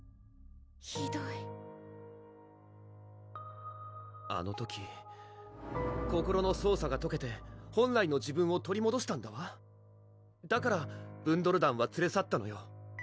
ひどいあの時心の操作がとけて本来の自分を取りもどしたんだわだからブンドル団はつれ去ったのよ